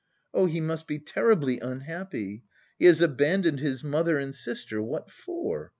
"Oh, he must be terribly unhappy!... He has abandoned his mother and sister.... What for?